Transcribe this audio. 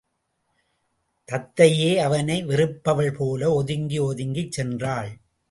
தத்தையோ அவனை வெறுப்பவள் போல ஒதுங்கி ஒதுங்கிச் சென்றாள்.